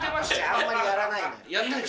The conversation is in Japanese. あんまりやらないの。